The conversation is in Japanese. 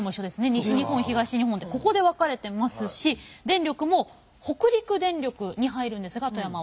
西日本東日本ってここで分かれてますし電力も北陸電力に入るんですが富山は。